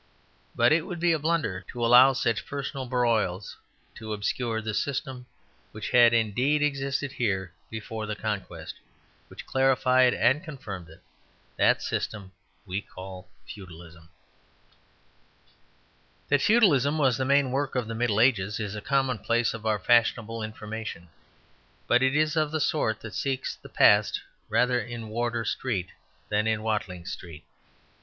But it would be a blunder to allow such personal broils to obscure the system, which had indeed existed here before the Conquest, which clarified and confirmed it. That system we call Feudalism. That Feudalism was the main mark of the Middle Ages is a commonplace of fashionable information; but it is of the sort that seeks the past rather in Wardour Street than Watling Street.